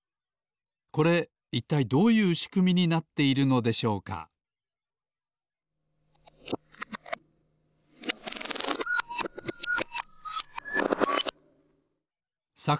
これいったいどういうしくみになっているのでしょうかさ